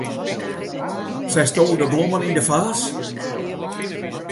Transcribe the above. Setsto de blommen yn de faas?